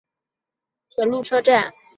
片仓町车站的铁路车站。